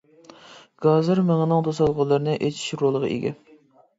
گازىر مېڭىنىڭ توسالغۇلىرىنى ئېچىش رولىغا ئىگە.